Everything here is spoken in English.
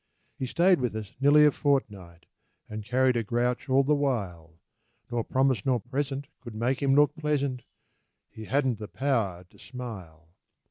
He stayed with us nearly a fortnight And carried a grouch all the while, Nor promise nor present could make him look pleasant; He hadn't the power to smile.